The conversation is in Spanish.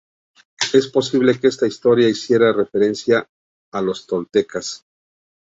Es posible que esta historia hiciera referencia a los toltecas.